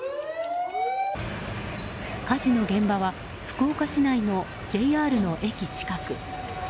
火事の現場は福岡市内のＪＲの駅近く。